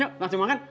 yuk langsung makan